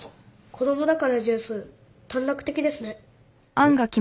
子供だからジュース短絡的ですね。